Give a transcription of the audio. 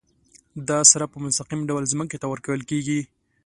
دا سره په مستقیم ډول ځمکې ته ورکول کیږي.